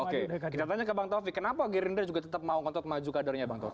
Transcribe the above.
oke kita tanya ke bang taufik kenapa gerindra juga tetap mau ngontot maju kadernya bang taufik